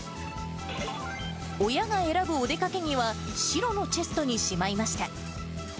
親が選ぶお出かけ着は白のチェストにしまいました。